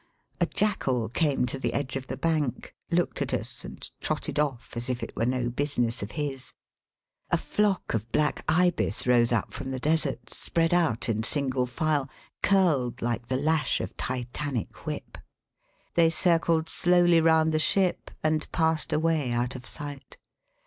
A jackal came to the edge of the bank, looked at us, and trotted off, as if it were no business of his. A flock of black ibis rose up from the desert, spread out in single file, curled like the lash of Titanic whip. They circled slowly round the ship, and passed away out of sight.